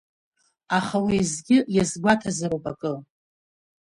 Аха уеизгьы иазгәаҭазароуп акы…